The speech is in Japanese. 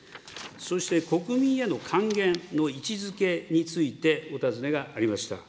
そして国民への還元の位置づけについてお尋ねがありました。